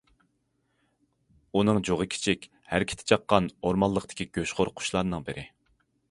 ئۇنىڭ جۇغى كىچىك، ھەرىكىتى چاققان ئورمانلىقتىكى گۆشخور قۇشلارنىڭ بىرى.